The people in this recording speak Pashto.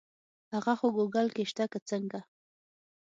هغه خو ګوګل کې شته که څنګه.